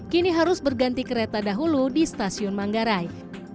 kini harus berganti kereta dahulu di stasiun manggarai